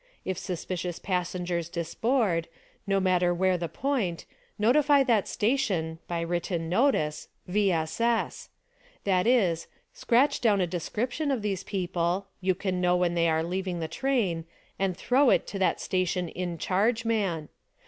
If suspjcious passengers disboard — no matter where the point— notify that station (by 'written notice) — V. S. S. ! That is :_ Scratch down a description these people — you can know when they are leaving the train — and throw it to that 34 SPY PROOF AMERICA station (in charge) man.